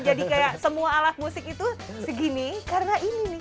jadi kayak semua alat musik itu segini karena ini nih